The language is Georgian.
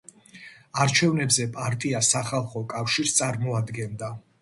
არჩევნებზე პარტია „სახალხო კავშირს“ წარმოადგენდა.